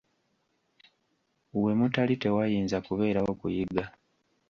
We mutali tewayinza kubeerawo kuyiga.